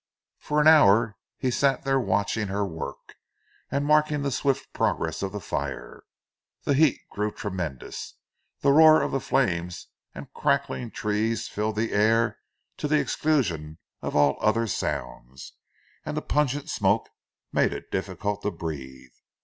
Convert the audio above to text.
For an hour he sat there watching her work, and marking the swift progress of the fire. The heat grew tremendous, the roar of the flames and of crackling trees filled the air to the exclusion of all other sounds, and the pungent smoke made it difficult to breathe.